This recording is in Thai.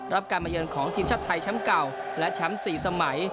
รับการมาเยินของทีมชาติไทยแชมป์เก่าและแชมป์๔สมัย